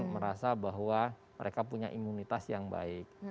merasa bahwa mereka punya imunitas yang baik